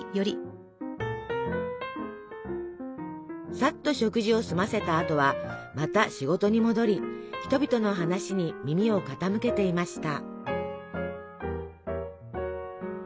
さっと食事を済ませたあとはまた仕事に戻り人々の話に耳を傾けていました。